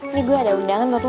ini gue ada undangan buat lo